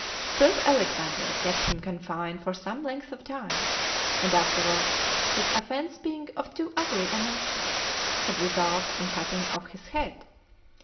Pope Alexander kept him confined for some length of time; and afterwards, his offence being of too ugly a nature, had resolved on cutting off his head.